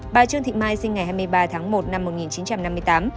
bà trương thị mai sinh ngày hai mươi ba tháng một năm một nghìn chín trăm năm mươi tám